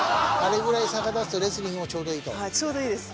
ちょうどいいです。